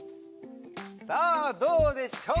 さあどうでしょう？